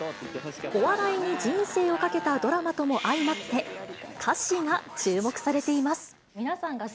お笑いに人生をかけたドラマとも相まって、歌詞が注目されています。